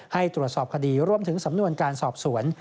ให้ตรวจสอบคดีรวมถึงสำนวนการสอบสวน